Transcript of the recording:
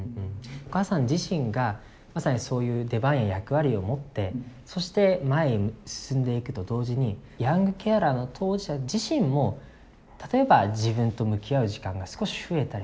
お母さん自身がまさにそういう出番や役割を持ってそして前に進んでいくと同時にヤングケアラーの当事者自身も例えば自分と向き合う時間が少し増えたりとかちょっと自分の好きなことをやる時間が増えたりとかって。